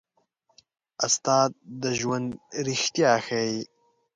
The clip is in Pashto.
استاد د ژوند رښتیا ښيي.